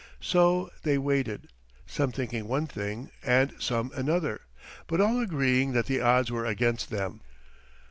So they waited, some thinking one thing, and some another, but all agreeing that the odds were against them.